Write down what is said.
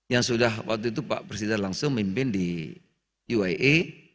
yang sudah waktu itu pak presiden langsung memimpin di uia